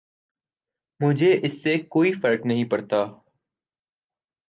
مجھے اس سے کوئی فرق نہیں پڑتا۔